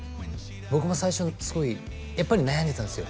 僕も最初すごいやっぱり悩んでたんですよ